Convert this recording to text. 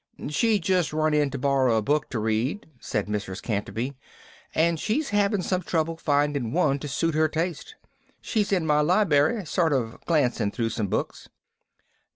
"She just run in to borrow a book to read," said Mrs. Canterby, "and she's having some trouble finding one to suit her taste. She's in my lib'ry sort of glancing through some books."